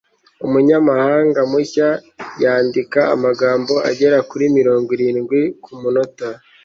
umunyamabanga mushya yandika amagambo agera kuri mirongo irindwi kumunota